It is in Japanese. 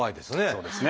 そうですね。